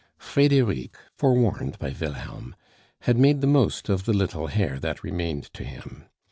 Frederic, forewarned by Wilhelm, had made the most of the little hair that remained to him.